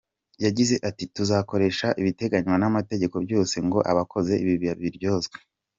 Yagize ati: "Tuzakoresha ibiteganywa n'amategeko byose ngo abakoze ibi babiryozwe".